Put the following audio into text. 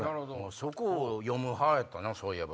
そこを読む派やったそういえば。